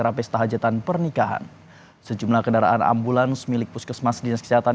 masih agak lumayan udah membaik gitu